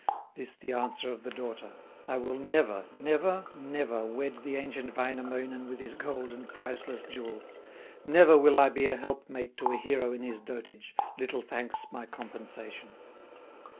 This the answer of the daughter: "I will never, never, never, Wed the ancient Wainamoinen With his gold and priceless jewels; Never will I be a helpmate To a hero in his dotage, Little thanks my compensation."